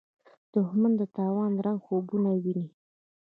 دښمن د تاوان رنګه خوبونه ویني